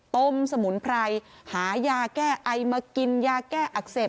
สมุนไพรหายาแก้ไอมากินยาแก้อักเสบ